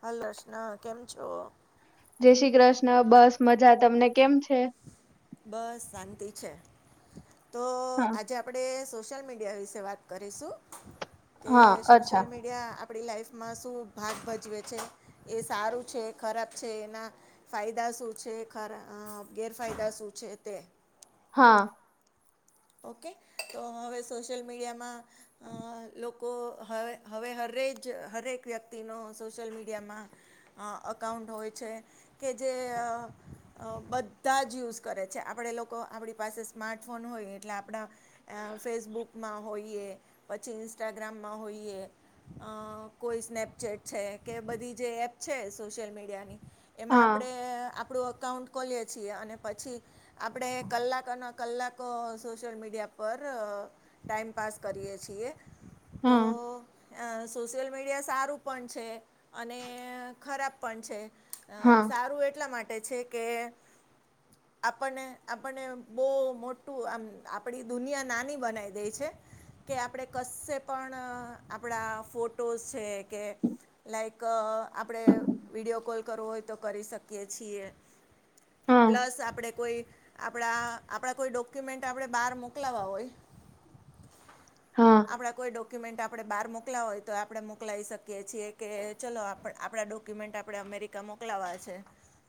હાલો! રચના કેમ છો? જય શ્રી કૃષ્ણ. બસ મજા. તમને કેમ? છે? બસ શાંતિ છે. તો હા આજે આપડે સોશલ મીડિયા વિશે વાત કરીશું, કે હા સોશિયલ અચ્છા મીડિયા આપરી લાઈફમાં શું ભાગ ભજવે છે, એ સારું છે, ખરાબ છે એના ફાયદા શું છે. ખરા અ ગેરફાયદા શું છે તે. હા. ઓકે! તો હવે સોશિયલ મીડિયામાં લોકો હવે હવે હરેજ હરેક વ્યક્તિનો સોશિયલ મીડિયામાં અ અકાઉન્ટ હોય છે, કે જે અ બધાં જ યુઝ કરે છે આપણે લોકો આપરી પાસે સ્માર્ટ ફોન હોય એમ એટલે આપડા ફેસબુકમાં હોઈએ પછી ઇન્સ્ટાગ્રામમાં હોઈએ. કોઈ સ્નેપચેટ છેકે બધી જે એપ છે. સોશિયલ મીડિયાની એમાં હા આપડે આપરું અકાઉન્ટ ખોલીએ છીએ અને પછી આપડે કલાકનો કલાકો સોશિયલ મીડિયા પર ટાઈમ પાસ કરીએ છીએ તો હા સોશિયલ મીડિયા સારું પણ છે, અને ખરાબ પણ છે. અ હા સારું એટલા માટે છે કે આપણને આપણને બો મોટું આમ આપડી દુનિયા નાની બનાવી દેય છે. કે આપડે કશે પણ આપડા ફોટોઝ છે કે લાઈક આપડે વિડીયો કોલ કરવો હોય તો કરી શકીએ છીએ. હા પ્લસ આપડે કોઈ આપરા આપરા કોઈ ડોક્યુમેન્ટ આપરે બાર મોકલાવા હોય હા આપણા કોઈ ડોક્યુમેન્ટ ડોક્યુમેન્ટ આપડે બાર મોકલાવા હોય તો આપરે મોકલાવી શકીએ છીએ કે ચલો આપરા ડોક્યુમેન્ટ આપરે અમ અમેરિકા મોકલાવા છે.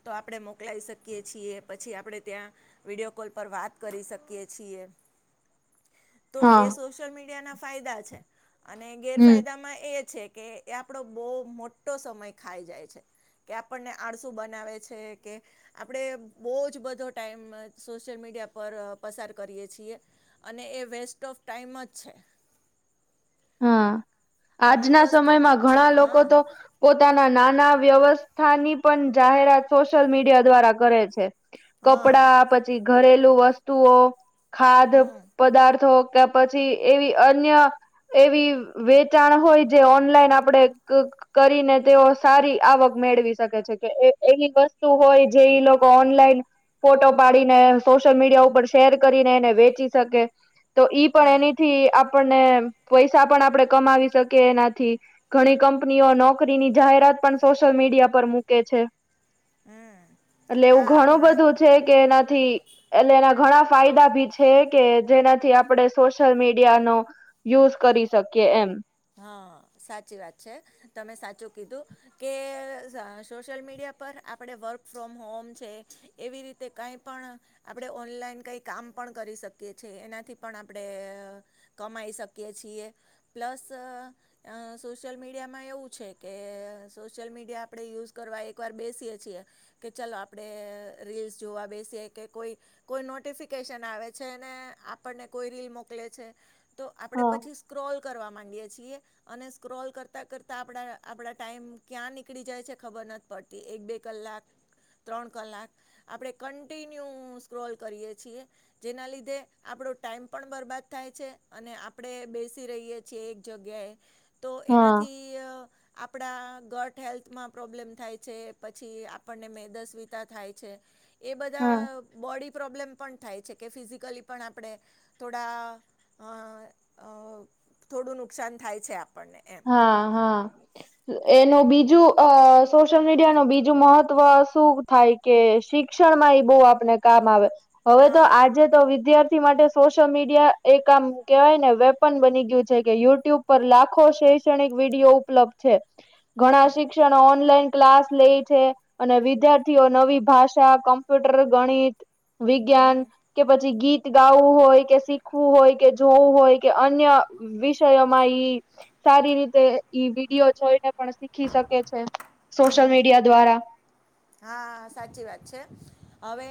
તો આપડે મોકલાઈ શકીએ છીએ પછી આપડે ત્યાં વિડીયો કોલ પર વાત કરી શકીએ છીએ હા તોએ સોશિયલ મીડિયાનાં ફાયદા છે. અને હમ ગેરફાયદામાં એ છેકે આપડો બો મોટો સમય ખાઈ જાય છે. કે આપણને આળસુ બનાવે છે, કે આપડે બોજ બધો ટાઈમ સોશિયલ મીડિયા મીડિયા પર પસાર કરીએ છીએ અને એ વેસ્ટ ઓફ ટાઈમ જ છે. હા, અમુક આજના વસ્તુ સમયમાં ઠીક છે ઘણા લોકો હા તો પો પોતાના નાના વ્યવસ્થાની પણ જાહેરાત સોશિયલ મીડિયા દ્વારા કરે છે. હા કપડા પછી ઘરેલુ વસ્તુઓ, ખાધ હમ પદાર્થો કે પછી એવી અન્ય એવી વેચાણ હોય જે ઓનલાઈન આપડે કરીને તેઓ સારી આવક મે મેળવી શકે છેકે એવી વસ્તુ હોય જે ઈ લોકો ઓનલાઈન ફોટો પાડીને સોશિયલ મીડિયા ઉપર શેર કરીને એને વેચી શકે. તો ઈ પણ હમ એનીથી આપણને પૈસા પણ આપડે કમાવી શકીએ એનાથી ઘણી કંપનીઓ નોકરીની જાહેરાત પણ સોશિયલ મી મીડિયા પર મૂકે છે. હમ એટલે એવું હા ઘણું ઘણા બધું છેકે એનાથી એટલે એના ઘણાં ફાયદા બી છેકે જેનાથી આપડે સોશિયલ મીડિયાનો યુઝ કરી શકીએ એમ. હા, સાચી વાત છે તમે સાચું કીધું કે સોશિયલ મીડિયા પર આપડે વર્ક ફ્રોમ હોમ છે. એવી રીતે કાઈ પણ આપણે ઓનલાઈન કઈ કામ પણ કરી શકીએ છે. એનાથી પણ આપડે કમાઈ શકીએ છીએ પ્લસ ત અ સોશિયલ મીડિયામાં એવું છે કે, સોશિયલ મીડિયા આપણે યુઝ કરવા એક વાર બેસીએ છીએ કે ચાલ આપણે રીલ્સ જોવા બેસી કે કોઈ કોઈ નોટિફિકેશન આવે છે આપને કોઈ રીલ મોકલે છે તો આપણે હા પછી સ્ક્રોલ કરવા માંડીએે. અને સ્ક્રોલ કરતા કરતા આપડા, આપડા ટાઈમ ક્યાં નીકળી જાય છે ખબર નથી પડતી. એક બે કલાક ત્રણ કલાક આપણે કન્ટિન્યુ સ્ક્રોલ કરીએ છીએ. જેના લીધે આપણે આપડો ટાઈમ પણ બરબાદ થાય છે અને આપણે બેસી રહીએ છીએ. જગ્યાએ તો હા એનાથી આપ આપણા ગટ હેલ્થમાં પ્રોબ્લેમ થાય છે. પછી આપણને મેદસ્વીતા થાય છે. એ બધા બોડી પ્રોબ્લેમ પણ થાય છે કે, ફિઝિકલી પણ આપણે થોડા થોડું નુકસાન થાય છે આપ હા હા. એનું બીજ જો અ સોશિયલ મીડિયાનું બીજું મહત્વ શું થાય કે, શિક્ષણમાં એ બહુ આપણે કામ આવે. હવે, તો હા આજે તો વિદ્યાર્થી માટે સોશિયલ મીડિયા એક આમ કહેવાયને વેપન બની ગયું છે કે યુટ્યુબ પર લાખ ખો શૈક્ષણિક વિડીયો ઉપલબ્ધ છે. ઘણા હમ શિક્ષણો ઓનલાઈન ક્લાસ લે છે અને વિદ્યાર્થીઓ નવી ભાષા કમ્પ્યુટર, ગણિત હમ વિજ્ઞાન કે પછી ગીત ગાવું હોય કે, શીખવું હોય કે, જોવું હોય કે, અન્ય વિષયોમાં ઈ સારી રીતે ઈ વિડીયો જોઈને પણ શીખી શકે છે. સોશલ મીડિયા દ્વારા હા, સાચી વાત છે. હવે,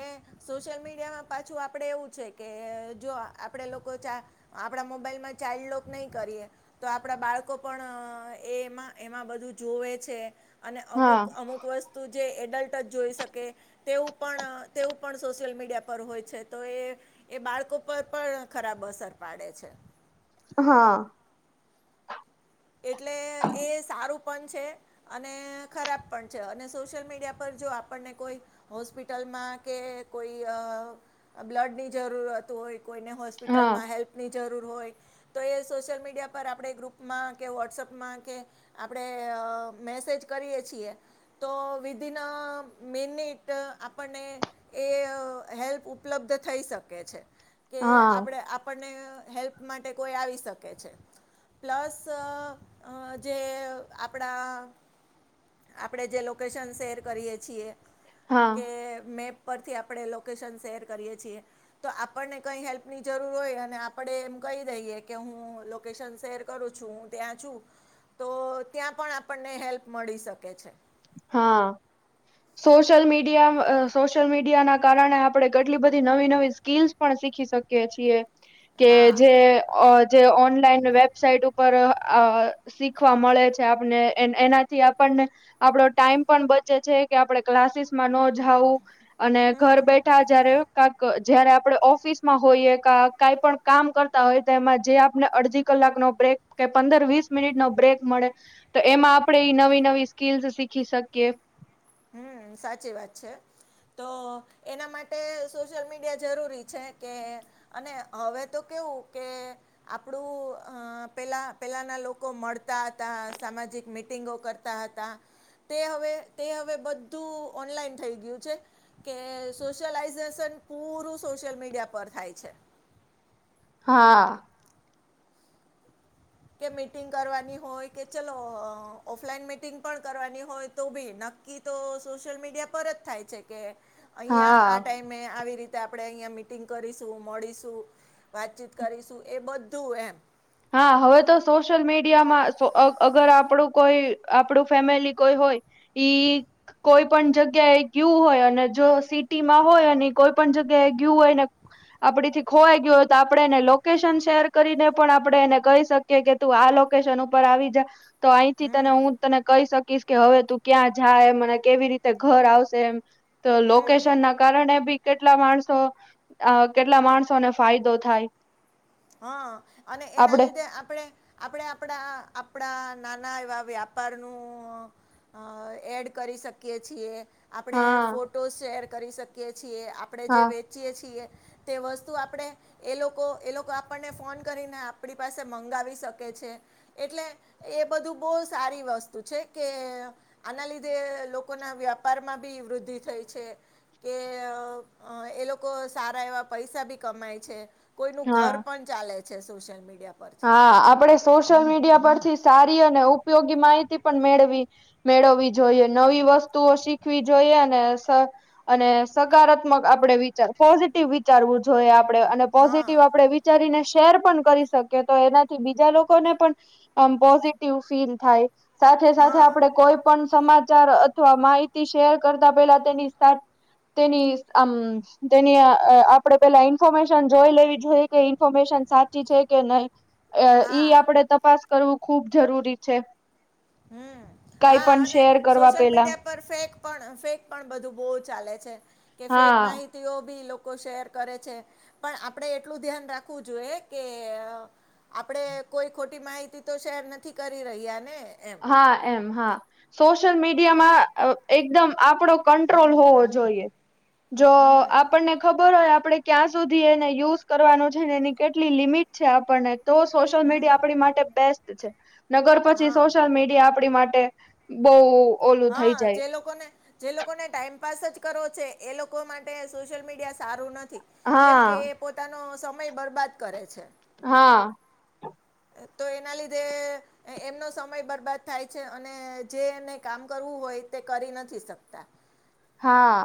સોશિયલ મીડિયામાં પાછું આપડે એવું છે કે જો આપણેે લોકો, આપણા મોબાઈલમાં ચાઇલ્ડ લોક નહીં કરીએ, તો આપણા બાળકો પણ એમાં એમાં બધું જોવે છે અને હા અમુક અમુક વસ્તુ જે એડલ્ટ જ જોઈ શકે તેવુ પણ તેવું પણ સોશિયલ મીડિયા પર હોય છે તો એ બાળકો ઉપર પણ ખરાબ અસર પાડે છે. હા. એટલે, એ સારું પણ છે અને ખરાબ પણ છે અને સોશિયલ મીડિયા પર જો આપણને કોઈ હોસ્પિટલમાં કે કોઈ બ્લડની જરૂરત હોય કોઈને હા હોસ્પિટલમાં હેલ્પની જરૂર હોય તો એ સોશિયલ મીડિયા પર આપણે ગ્રુપમાં કે વોટ્સઅપમાં કે આપણે મેસેજ કરીએ છીએ. તો વિધિન અ મીનિટ આપણને એ હેલ્પ ઉપલબ્ધ થઈ શકે છે. કે હા આપણે આપણને હેલ્પ માટે કોઈ આવી શકે છે. પ્લસ સ જે આપડા આપણે જે લોકેશન શેર કરીએ છીએ. હા કે મે ઉરપથી આપણે લોકેશન શેર કરીએ છીએ. તો આપણને કઈ હેલ્પની જરૂર હોય અને આપણે એમ- કહી દઈએ કે, હું લોકેશન શેર કરું છું. ત્યાં છું. તો ત્યાં પણ આપણને હેલ્પ મળી શકે છે. હા. સોશિયલ મીડિયા, સોશિયલ મીડિયાના કારણે આપડણે કેટલી બધી નવી નવી સ્કીલ્સ પણ શીખી શકીએ છીએ કે હા જે જે ઓનલાઈન વેબસાઇટ ઉપર શીખવા મળે છે આપને એનાથી આપણ આપડો ટાઈમ પણ બચે છે કે આપડે ક્લાસીસમાં ન જાવું. અને ઘર બેઠા જયારે ક જયારે આપણે ઓફિસ માં હોઈએ ક કઈ પણ કામ કરતા હોય તો એમાં જે આપણે અરજી ક ન બ્રેક કે પંદર વીસ મિનિટ નો બ્રેક મળે તો એમાં આપણેે ઈ નવી નવી. સ્કીલ સીખી શકીએ. હમ સાચી વાત છે. તો એના માટે સોશિયલ મીડિયા જરૂરી છે કે અને હવે તો કેવું કે આપડું પેલા પેલાના લોકો મળતા હતા સામાજિક મીટંગો કરતા હતા તે હવે બધુ ઓનલાન થઈ ગયું કે સોસોલ્યાસેન પુંરુ સોશિલ મીડીયા મીડિયા પર થાય છે. હા. કે મીટિંગ કરવાની હોય કે ચલો ઓફલાઈન મિટિંગ પણ કરવાની હોય તો ભી ન ક તો સોશિયલ મીડિયા પર જ થાય છે કે અહંયા આ હા. ટાઈમે આવી રીતે આપણે અહ મીટિંગ કરીશું મળીશું. વાતચીત કરીશું એ બધું એમ હા હવે તો સોશિયલ મીડિયામાં અગર આપડું કોઈ આપડું ફેમિલી કોઈ ઈ કોઈ પણ જગ્યા એ ગયું હોય અને જો સિટી માં હોય અને કોઈ પણ જગ્યા ગયું હોયને આપડી થી ખોવાઈ ગયું હોય તો આપણે એને લોકેશન શેર કરીને પણ આપ એને કહી શકીએ કે તું આ લોકેશન ઉપર આવી જ તો અહીંથી તને હું તને કહી શક કે હવે તું ક્યાં જાય મને કેવી રીતે ઘર આવશે એમ. તો લોકેશન ના કારણે બી કેટલા માણસો કેટલા માણસોને ફાયદો થાય. હા અને એના આપડે લીધે આપણે આપડ આપડા આપણા નાના એવા વ્યાપારનું એડ કરી શકીએ છીએ. આપણેે હા ફોટો શેર કરી શકીએ છીએ આપડે જે હા વેચીયે છીએ. તે વસ્તુ આપણેે એ લોકો એ લોકો આપણને ફોન કરીને આપણી પાસે મંગાવી શકે છે એટલે એ બધું બહુ સારી વાત વસ્તુ છે કે આના લીધે લોકો ના વ્યાપારમાં બી વૃદ્ધિ થઈ છે. કે એ લોકો સારા એવા પૈસા ભી કમાય છે. કોઈ ન હા ઘર પણ ચાલે છે સોશિયલ મીડિયા પરથી હા આપડે સો સોશિયલ મીડિયા પરથી સારી અને ઉપયોગી માહિતી પણ મેળવી મેળવવી જોઈએ નવી વસ્તુ વતુ શીખવી જોઈએ અને અને સકારાત્મક આપડે વિચાર પોઝિટિવ વિચાર જોએ આપણે અને હા પોઝિટિવ આપે વિચારીને શેર પણ કરી શકીએ. કે તો એનાથી બીજા લોકોને પણ પોઝિટિવ ફીલ થાય. સાથે સાથે હા આપડે કોઈ પણ સમાચાર અથવા માહિતી શેર કરતા પેલા તેની તેની આમ તેની આપડે પેલા ઇન્ફોર્મેશન જોઈ લેવી જોઈએ કે ઇન્ફોર્મેશન સાચી છે કે નહી ઈ હા આપડે તપાસ કરવું ખૂબ જરૂરી છે. હમ. કઈ હા પણ અને શેર કરવા સોશિયલ પેલા મીડિયા પર ફેક પણ ફેક પણ બધું બહ ચાલે છે. કે ફેક હા માહિતીઓ ભી લોકો લોકો શેર કરે છે પણ આપડે એટલું ધ્યાન રાખવું જોઈએ કે આપડે કોઈ ખોટી માહિતી તો શેર નથી કરી રહ્યા ને. એમ હા એમ હા સો સોશિયલ મીડિયામાં એકદમ આપડો કંટ્રોલ હોવો જોઈએ. જો આપણને ખબર હોય આપણે ક્યાં સુધી એને યુઝ કરવાનું છે ને એની કેટલી લિમિટ છે આપણને તો સોશિયલ મીડિયા આપણી માટે બેસ્ટ છે નગર પછી હા સોશ્યયલ મીડિયા આપણી માટે બહ હા જે લોકોને જે લોકોને ટાઈમ પાાસ જ કરો છે એ લોકો માટે સોશીયલ મિડિયા સારું નથી કેમ કે હા એ પોતાનો સંપ સમય બરબાદ કરે છે. હા તો એના લીધે એમનો સમય બરબાદ થાય છે અને જે એને કામ કરવું હોય તે કરી નથી શકતા હા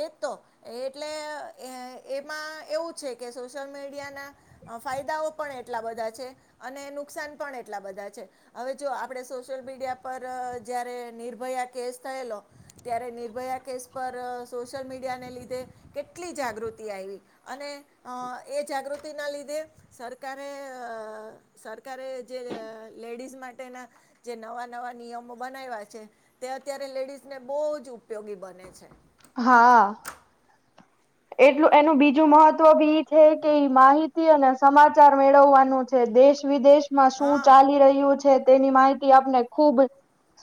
એજ તો એટલે અહહ એમાં એવું છે કે સોશિયલ મીડિ ફાયદાઓ પણ એટલા બધા છે અને નુકસાન પણ એટલા બધા છે હવે જોવો તો આપણે સોશિયલ મીડિયા પર જ્યારે નિર્ભયા કેસ થયેલો ત્યારે નિર્ભયા કેસ પર સોશિયલ મીડિયાને લીધે કેટલી જાગૃતિ આવી અને અહહ એ જાગૃ પ્રવૃત્તિના લીધે સરકારે અહહ સરકારે જે અહહ લેડીઝ માટેના જે નવા નવા નિયમો બનાવ્યા છે તે અત્યારે લેડીઝને બહુ જ ઉપયોગી બને છે. હા એટલું એનું બીજું મહત્વ બી ઇ છે કે માહિતી અને સમાચાર મેળવવાનું છે. દેશ વિદેશમાં શું હા ચાલી રહ્યું છે તેની માહિતી આપને ખુબ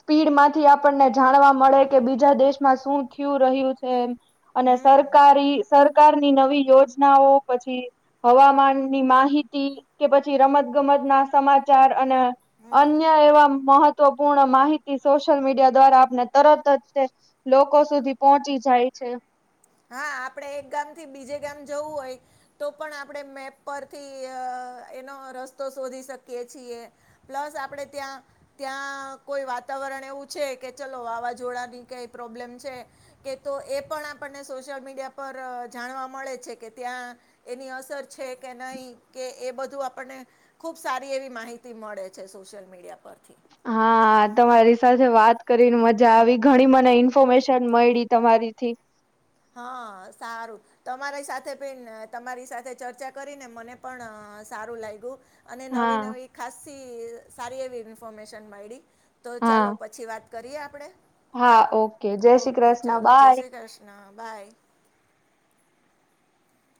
સ્પીડમાંથી આપણને જાણવા મળે કે બીજા દેશમાં શું થિયું રહ્યું છે. અને સરકારી સરકારની નવી યોજનાઓ પછી હવામાનની માહિતી કે પછી રમત ગમત ના સમાચાર અને અન્ય એવા મહ મહત્વપૂર્ણ માહિતી સોશિયલ મીડિયા દ્વારા આપને તરત જ લોકો સુધી પહોંચી જાય છે. હા આપડે એક ગામથી બીજે ગામ જવું હોય તો પણ આપણેે મેપ પરથી અહહ અહહ એનો રસ્તો શોધી શકી છીએ પ્લસ આપણે ત્યાં ત્યાં કોઈ વાત વાતાવરણ એવું છે કે ચલો વાવાઝોડાની કઈ પ્રોબ્લેમ છે કે તો એ પણ આપને સોશિયલ મીડિયા અહહ પર જાણવા મળે છે કે ત્યાં એની અસર છે કે નહી એ બધું આપને ખુબ સારી એવી માહિતી મળે છે સોશિયલ મીડિયા પરથી હા તમારી સાથે વાત કરીને મજા આવી ઘણી મને ઇન્ફોર્મેશન મયળી તમારી થી હા સારું તમારી સાથે પણ તમારી સાથે ચર્ચા કરીને મને પણ અહહ અહહ સારું લાગ્યું અને હા નવી નવી ખાસી સારી એવી ઇન્ફોર્મેશન મયળી તો ચાલો હા પછી વાત કરીએ આપડે હા ઓકે જય શ્રી કૃષ્ણ બાય હાય